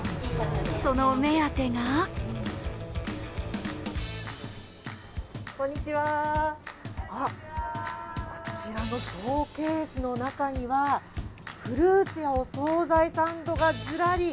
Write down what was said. そのお目当てがこちらのショーケースの中にはフルーツのお総菜サンドがずらり。